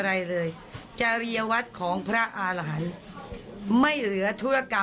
แม่ของแม่ชีอู๋ได้รู้ว่าแม่ของแม่ชีอู๋ได้รู้ว่า